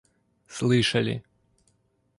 слышали